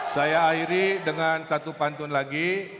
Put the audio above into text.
saya akhiri dengan satu pantun lagi